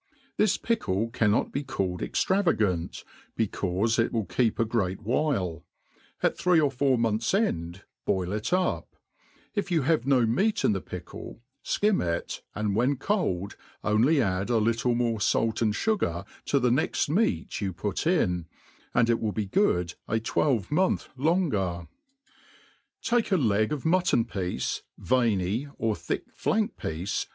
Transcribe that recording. This~ pickle cannot be called extravagant, becaufe it will keep a great while; at three or four months end, boil it up; if you have no meat in the pickle, fkim it, and when cold, only add a little more fait an*d fugar to the next meat you put in, and it wil( be good a twelvemonth longer. Take a leg of mutton piece, veiny' or thick flank piece.